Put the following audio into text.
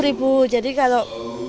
pochilnya ke sepuluh jadi kalau